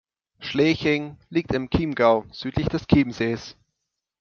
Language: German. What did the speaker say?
Schleching liegt im Chiemgau südlich des Chiemsees.